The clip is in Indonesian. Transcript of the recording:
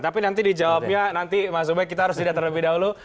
tapi nanti dijawabnya nanti mas ubed kita harus jeda terlebih dahulu